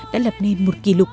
đã lập nên một kỷ lục